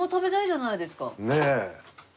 ねえ。